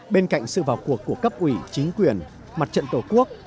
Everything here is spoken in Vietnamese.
bên cạnh sự vào cuộc của cấp ủy chính quyền mặt trận tổ quốc